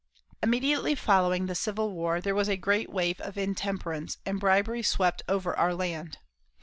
Immediately following the Civil War there was a great wave of intemperance, and bribery swept over our land.